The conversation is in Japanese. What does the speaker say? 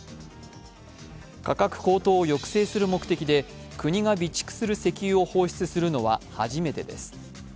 価格高騰を抑制する目的で国が備蓄する石油を放出するのは初めてです。